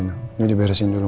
emang gue keberanian bella